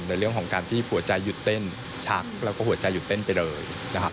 ในเรื่องของการที่หัวใจหยุดเต้นชักแล้วก็หัวใจหยุดเต้นไปเลยนะครับ